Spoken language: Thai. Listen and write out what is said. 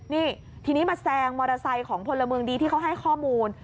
นี่ทีนี้มาแซงมอเตอร์ไซค์ของพลเมืองดีที่เขาให้ข้อมูล